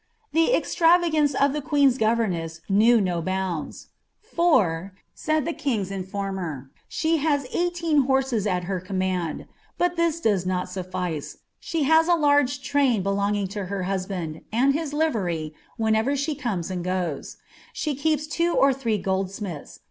The eKiravagance of tlie queen's governess knew no txmU '' For," said the king's uiformer, ■* slie has eighteen hones at ber «•»■ mand; but this does not suttice; she has a large Iraiii faeluticing to Iwt husband, and his livery, whenever she cornea and gnes. She koepi Vf or three goldsmiihx.